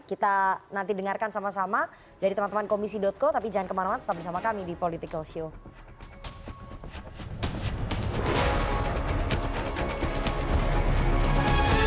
kita nanti dengarkan sama sama dari teman teman komisi co tapi jangan kemana mana tetap bersama kami di political show